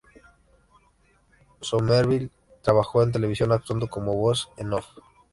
Somerville trabajo en televisión actuando como voz en off.